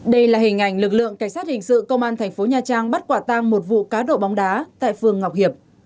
đây là hình ảnh lực lượng cảnh sát hình sự công an thành phố nha trang bắt quả tang một vụ cá độ bóng đá tại phường ngọc hiệp